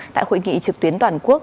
tại hội nghị trực tuyến toàn quốc